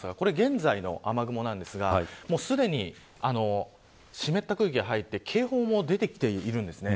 現在の雨雲ですが、すでに湿った空気が入って警報も出てきているんです。